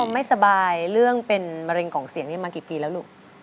ไม่สบายเรื่องเป็นมะเร็งกล่องเสียงนี้มากี่ปีแล้วลูก